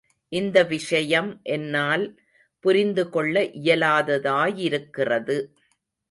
இந்த விஷயம் என்னால் புரிந்துகொள்ள இயலாததாயிருக்கிறது.